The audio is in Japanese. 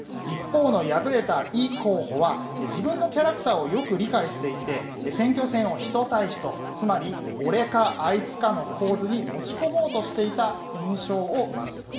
一方の敗れたイ候補は自分のキャラクターをよく理解していて選挙戦を人対人つまり、俺かあいつかの構図に持ち込もうとしていた印象を受けます。